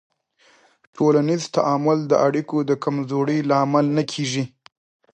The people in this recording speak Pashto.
ټولنیز تعامل د اړیکو د کمزورۍ لامل نه کېږي.